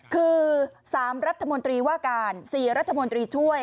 คือ๓รัฐมนตรีว่าการ๔รัฐมนตรีช่วย